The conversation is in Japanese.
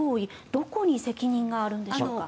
どこに責任があるんでしょうか？